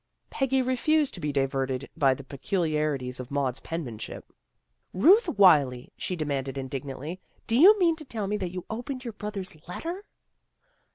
Peggy refused to be diverted by the peculiari ties of Maud's penmanship. " Ruth Wylie! " she demanded indignantly. " Do you mean to tell me that you opened your brother's let ter?